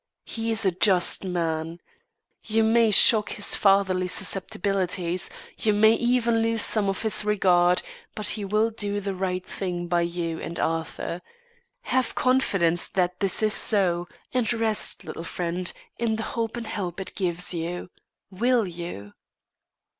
He's a just man. You may shock his fatherly susceptibilities, you may even lose some of his regard, but he will do the right thing by you and Arthur. Have confidence that this is so, and rest, little friend, in the hope and help it gives you. Will you?"